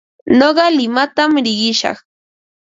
Nuqa limatam riqishaq.